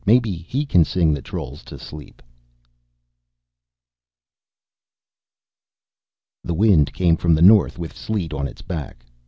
"Maybe he can sing the trolls to sleep " The wind came from the north with sleet on its back.